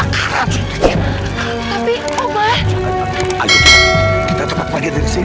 supaya orang orang tau kalau kita ada disini